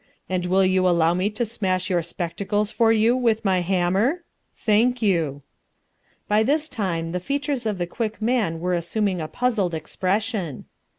And will you allow me to smash your spectacles for you with my hammer? Thank you." By this time the features of the Quick Man were assuming a puzzled expression.